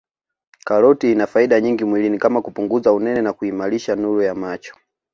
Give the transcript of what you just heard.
Karoti ina faida nyingi mwilini kama kupunguza unene na kuimarisha nuru ya macho